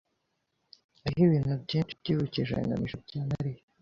Hariho ibintu byinshi byibukije ngamije ibya Mariya.